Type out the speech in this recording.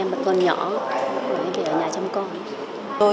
em bật con nhỏ em để ở nhà chăm con